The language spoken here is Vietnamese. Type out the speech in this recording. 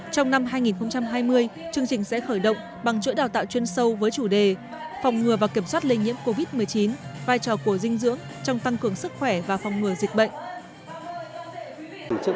trong năm hai nghìn hai mươi chương trình sẽ khởi động bằng chuỗi đào tạo chuyên sâu với chủ đề phòng ngừa và kiểm soát lây nhiễm covid một mươi chín vai trò của dinh dưỡng trong tăng cường sức khỏe và phòng ngừa dịch bệnh